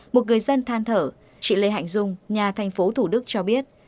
một người dân than thở chị lê hạnh dung nhà thành phố thủ đức cho biết